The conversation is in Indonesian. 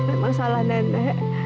emang salah nenek